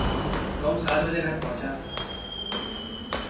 Tom सात बजे घर पहुँचा।